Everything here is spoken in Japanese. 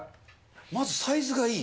まず、サイズがいい。